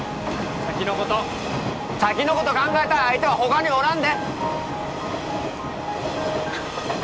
先のこと先のこと考えたい相手は他におらんで！